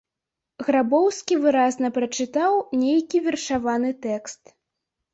Грабоўскі выразна прачытаў нейкі вершаваны тэкст.